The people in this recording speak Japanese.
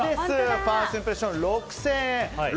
ファーストインプレッション６０００円。